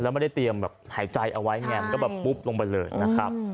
แล้วไม่ได้เตรียมแบบหายใจเอาไว้ไงมันก็แบบปุ๊บลงไปเลยนะครับ